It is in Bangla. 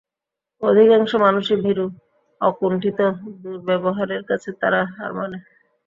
অধিকাংশ মানুষই ভীরু, অকুণ্ঠিত দুর্ব্যবহারের কাছে তারা হার মানে।